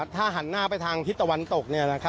ถ้าหันหน้าไปทางทิศตะวันตก